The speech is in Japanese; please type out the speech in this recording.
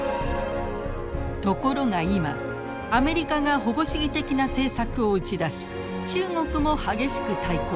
ところが今アメリカが保護主義的な政策を打ち出し中国も激しく対抗。